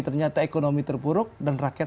ternyata ekonomi terpuruk dan rakyat